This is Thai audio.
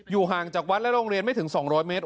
ห่างจากวัดและโรงเรียนไม่ถึง๒๐๐เมตร